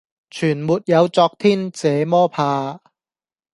全沒有昨天這麼怕，